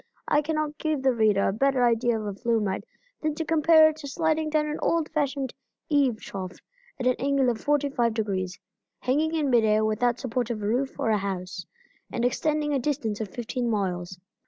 I cannot give the reader a better idea of a flume ride than to compare it to sliding down an old fashioned eve trough at an angle of 45 degrees, hanging in mid air without support of roof or house, and extending a distance of fifteen miles.